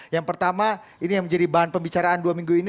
yang pertama ini yang menjadi bahan pembicaraan dua minggu ini